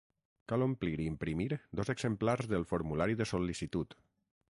Cal omplir i imprimir dos exemplars del formulari de sol·licitud.